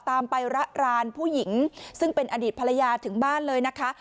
ตามไประรานผู้หญิงซึ่งเป็นอดีตภรรยาถึงบ้านเลยนะคะ